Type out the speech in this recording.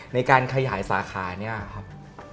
ในการขยายสาขาเนี่ยครับ